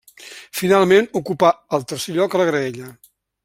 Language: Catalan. Finalment, ocupà el tercer lloc a la graella.